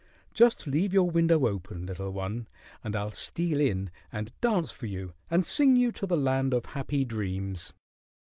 "Just leave your window open, little one, and I'll steal in and dance for you and sing you to the land of happy dreams."